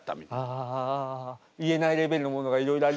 あ言えないレベルのものがいろいろありますね。